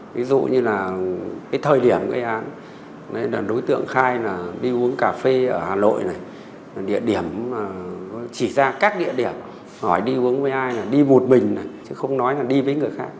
ví dụ như là cái thời điểm cái án đối tượng khai là đi uống cà phê ở hà nội này địa điểm chỉ ra các địa điểm hỏi đi uống với ai này đi một mình này chứ không nói là đi với người khác